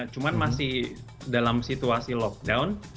cuman masih dalam situasi lockdown